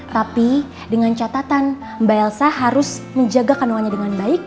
tapi dengan catatan mbak elsa harus menjaga kandungannya dengan baik